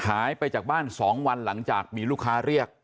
หายไปจากบ้าน๒วันหลังจากมีลูกค้าเรียก